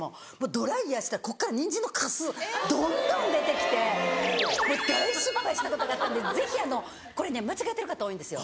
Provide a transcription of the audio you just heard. ドライヤーしたらここからニンジンのカスどんどん出てきて大失敗したことがあったんでぜひあのこれね間違えてる方多いんですよ。